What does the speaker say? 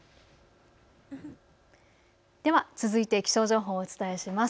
では続いて気象情報をお伝えします。